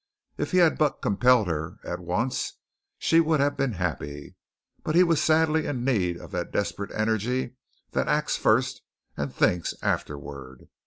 If he had but compelled her at once she would have been happy, but he was sadly in need of that desperate energy that acts first and thinks afterward.